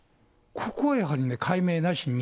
ここはやはりね、解明ないし。